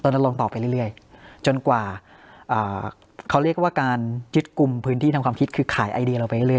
ลงต่อไปเรื่อยจนกว่าเขาเรียกว่าการยึดกลุ่มพื้นที่ทำความคิดคือขายไอเดียเราไปเรื่อ